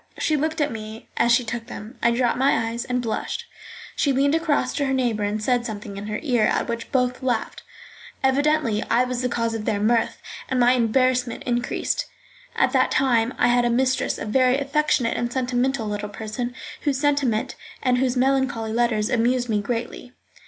She looked at me as she took them. I dropped my eyes and blushed. She leaned across to her neighbour and said something in her ear, at which both laughed. Evidently I was the cause of their mirth, and my embarrassment increased. At that time I had as mistress a very affectionate and sentimental little person, whose sentiment and whose melancholy letters amused me greatly.